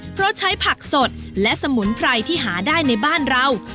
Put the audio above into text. เพราะใช้ผักสดและสมุนไพรที่หาได้ในบ้านเรา